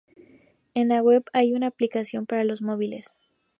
En la web hay una aplicación para los móviles.